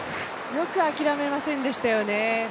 よく諦めませんでしたよね。